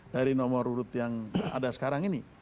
dari nomor urut yang ada sekarang ini